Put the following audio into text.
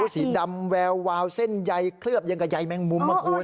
สีดำแวววาวเส้นใยเคลือบอย่างกับใยแมงมุมนะคุณ